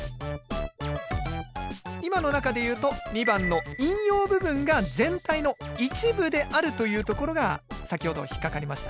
今の中でいうと２番の引用部分が全体の一部であるというところが先ほど引っ掛かりましたね。